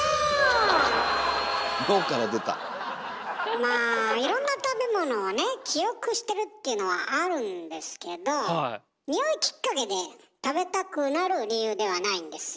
まあいろんな食べ物をね記憶してるっていうのはあるんですけど匂いきっかけで食べたくなる理由ではないんですよ